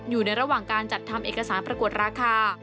อยู่ในระหว่างการจัดทำเอกสารประกวดราคา